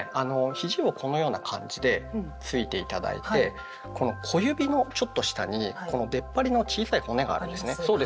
ひじをこのような感じでついて頂いてこの小指のちょっと下にこの出っ張りの小さい骨があるんですね。あります。